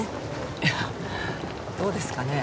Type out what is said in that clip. いやどうですかね？